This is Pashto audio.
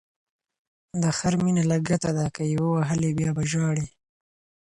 د خر مینه لګته ده، که یې ووهلی بیا به ژاړی.